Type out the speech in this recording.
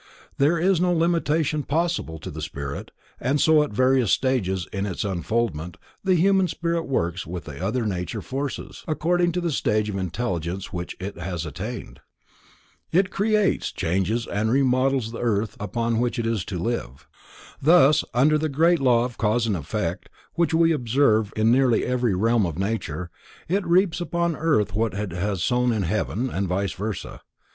There is no limitation possible to the spirit, and so at various stages in its unfoldment the Human Spirit works with the other nature forces, according to the stage of intelligence which it has attained. It creates, changes and remodels the earth upon which it is to live. Thus, under the great law of cause and effect, which we observe in every realm of nature, it reaps upon earth what it has sown in heaven, and vice versa.